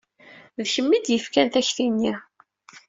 D kemm ay d-yefkan takti-nni.